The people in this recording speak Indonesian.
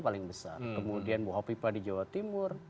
paling besar kemudian bu hopipa di jawa timur